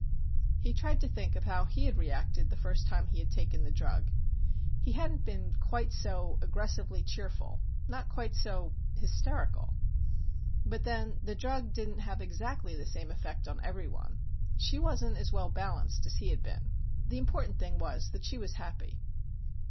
He tried to think of how he had reacted the first time he had taken the drug. He hadn't been quite so aggressively cheerful, not quite so hysterical. But then, the drug didn't have exactly the same effect on everyone. She wasn't as well balanced as he had been. The important thing was that she was happy.